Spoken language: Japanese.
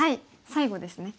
最後ですね。